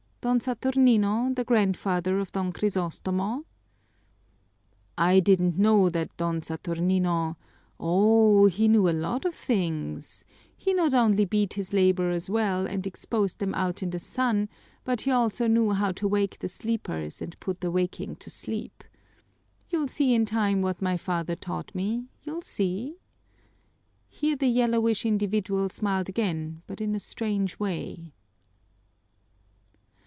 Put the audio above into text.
"Don Saturnino, the grandfather of Don Crisostomo." "I didn't know that Don Saturnino " "Oh, he knew a lot of things! He not only beat his laborers well and exposed them out in the sun, but he also knew how to wake the sleepers and put the waking to sleep. You'll see in time what my father taught me, you'll see!" Here the yellowish individual smiled again, but in a strange way.